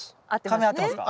科名合ってますか？